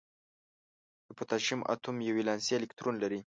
د پوتاشیم اتوم یو ولانسي الکترون لري.